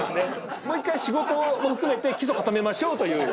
もう１回仕事も含めて基礎固めましょうという。